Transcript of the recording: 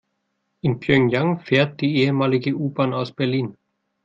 In Pjöngjang fährt die ehemalige U-Bahn aus Berlin.